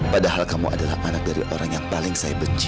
padahal kamu adalah anak dari orang yang paling baik untuk saya